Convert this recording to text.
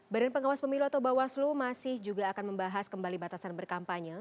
badan pengawas pemilu atau bawaslu masih juga akan membahas kembali batasan berkampanye